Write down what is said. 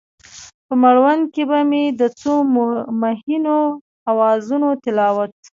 په مړوند کې به مې د څو مهینو اوازونو تلاوت،